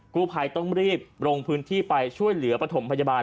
กู้ภัยต้องรีบลงพื้นที่ไปช่วยเหลือปฐมพยาบาล